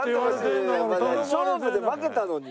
勝負で負けたのに。